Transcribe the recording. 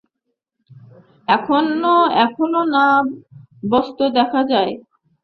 কখনও কখনও নানা বস্তু দেখা যায়।